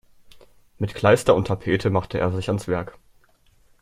Mit Kleister und Tapete machte er sich ans Werk.